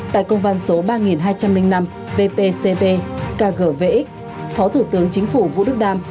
tại công văn số ba nghìn hai trăm linh năm ppcp kg phó thủ tướng chính phủ vũ đức đam